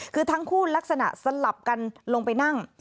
คือทั้งคู่ลักษณะสลับกันลงไปนั่ง